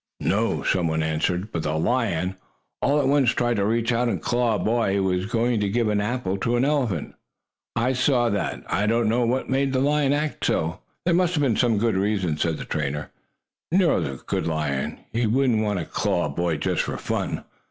"No," some one answered. "But the lion, all at once, tried to reach out and claw a boy who was going to give an apple to an elephant. I saw that. I don't know what made the lion act so." "There must have been some good reason," said the trainer. "Nero is a good lion. He wouldn't want to claw a boy just for fun."